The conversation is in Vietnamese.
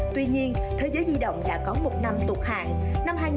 tuy nhiên thế giới di động đã có một năm tục hạn